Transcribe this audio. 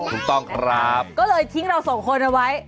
ถูกต้องครับก็เลยทิ้งเราสองคนเอาไว้